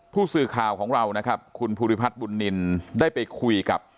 ผู้สื่อข่าวของเรานะครับคุณภูริพัฒน์บุญนินได้ไปคุยกับ